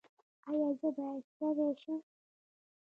ایا زه باید ستړی شم؟